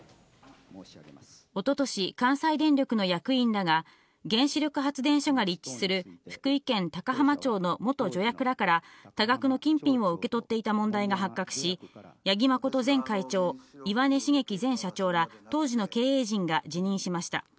おととし、関西電力の役員らが原子力発電所が立地する、福井県高浜町の元助役らから、多額の金品を受け取っていた問題が発覚し、八木誠前会長、岩根茂樹前社長ら当時の経営陣が辞任しました。